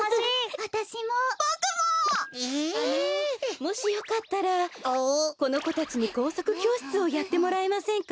あのもしよかったらこのこたちにこうさくきょうしつをやってもらえませんか？